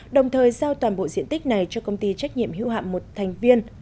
đồng thời giao toàn bộ diện tích này cho công ty trách nhiệm hiếu hạn một thành viên